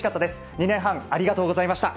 ２年半、ありがとうございました。